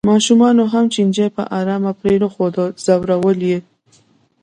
ماشومانو هم چینی په ارام پرېنښوده ځورول یې.